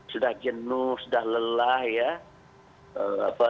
sudah jenuh sudah lelah ya